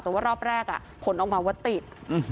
แต่ว่ารอบแรกผลออกมาว่าติด